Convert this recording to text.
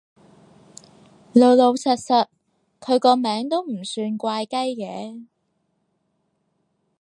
老老實實，佢個名都唔算怪雞嘅